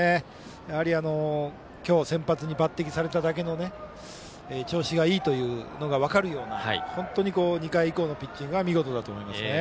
やはり、今日先発に抜擢されただけの調子がいいというのが分かるような本当に２回以降のピッチングは見事だと思います。